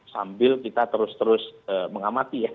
sambil kita terus terus mengamati ya